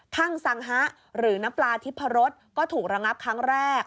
ทั่งสังฮะหรือน้ำปลาทิพรสก็ถูกระงับครั้งแรก